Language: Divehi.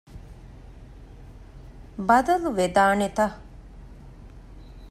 ބަދަލު ވެދާނެތަ؟